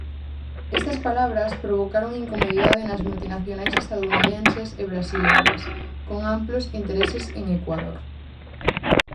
Estas palabras provocaron incomodidade nas multinacionais estadounidenses e brasileiras, con amplos intereses en Ecuador.